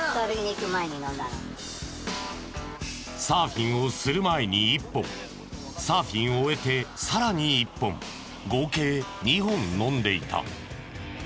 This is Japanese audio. サーフィンをする前に１本サーフィンを終えてさらに１本合計２本飲んでいた。